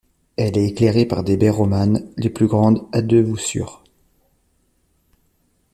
Elle est éclairée par des baies romanes, les plus grandes à deux voussures.